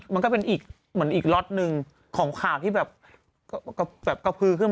มันก็เป็นอีกล็อตหนึ่งของข่าวที่แบบกระพือขึ้น